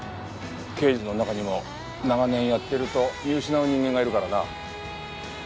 刑事の中にも長年やってると見失う人間がいるからな。